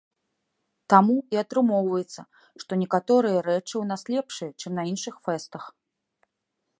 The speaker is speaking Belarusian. Таму і атрымоўваецца, што некаторыя рэчы ў нас лепшыя, чым на іншых фэстах.